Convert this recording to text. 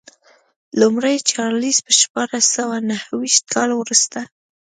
لومړی چارلېز په شپاړس سوه نهویشت کال وروسته.